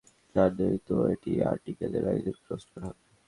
জানোই তো, এই আর্টিকেলে একজনকে রোস্ট করা হবে!